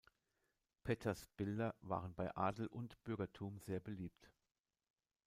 Petters Bilder waren bei Adel und Bürgertum sehr beliebt.